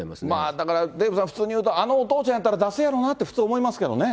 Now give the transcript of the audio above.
だからデーブさん、普通にいうと、あのお父ちゃんやったら出すやろなって、普通思いますけどね。